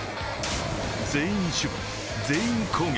全員守備、全員攻撃。